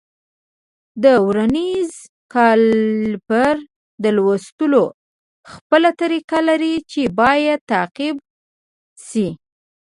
د ورنیز کالیپر د لوستلو خپله طریقه لري چې باید تعقیب شي.